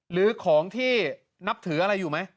หรือของที่นับถืออะไรอยู่ไหม